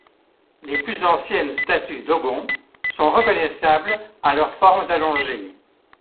Les plus anciennes statues dogons sont reconnaissables à leurs formes allongées.